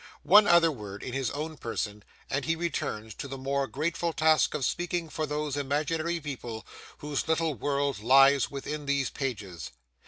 One other word in his own person, and he returns to the more grateful task of speaking for those imaginary people whose little world lies within these pages.